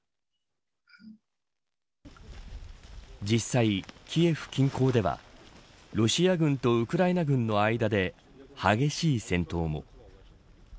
実際、キエフ近郊ではロシア軍とウクライナ軍の間で激しい戦闘も。